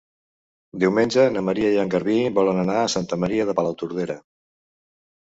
Diumenge na Maria i en Garbí volen anar a Santa Maria de Palautordera.